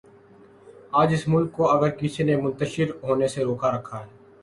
آج اس ملک کو اگر کسی نے منتشر ہونے سے روک رکھا ہے۔